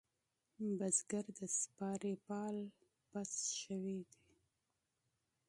بزگر د سپارې پال پس شوی دی.